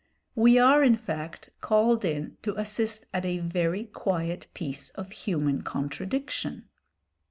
We are, in fact, called in to assist at a very quiet piece of human contradiction.